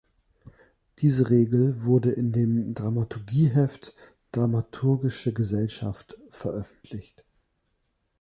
Diese Regel wurden in dem Dramaturgie Heft: Dramaturgische Gesellschaft veröffentlicht.